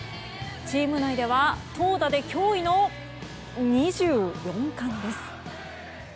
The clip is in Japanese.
チーム内では投打で驚異の２４冠です。